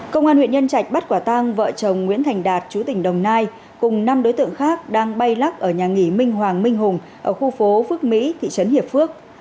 công an huyện nhân trạch bắt quả tang vợ chồng nguyễn thành đạt chú tỉnh đồng nai cùng năm đối tượng khác đang bay lắc ở nhà nghỉ minh hoàng minh hùng ở khu phố phước mỹ thị trấn hiệp phước